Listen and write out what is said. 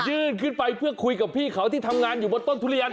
ยื่นขึ้นไปเพื่อคุยกับพี่เขาที่ทำงานอยู่บนต้นทุเรียน